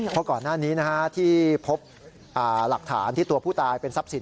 เพราะก่อนหน้านี้ที่พบหลักฐานที่ตัวผู้ตายเป็นทรัพย์สิน